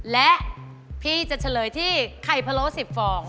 และพี่จะเฉลยที่ไข่พะโล๑๐ฟอง